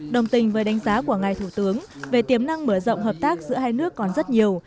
đồng tình với đánh giá của ngài thủ tướng về tiềm năng mở rộng hợp tác giữa hai nước còn rất nhiều